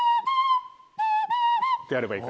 ってやればいい。